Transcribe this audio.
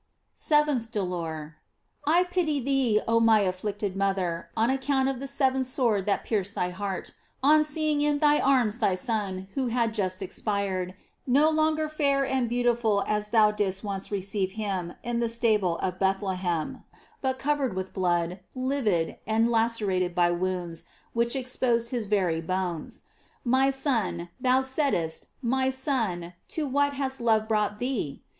Seventh Dolor. — I pity thee, my afflicted mother, on account of the seventh sword that pierced thy heart, on seeing in thy arms thy Son who bad just expired, no longer fair and beauti ful as thou didst once receive him in the stable of Bethlehem, but covered with blood, livid, and lacerated by wounds which exposed his very bones. My Son, thou saidst, my Son, to what has love brought thee?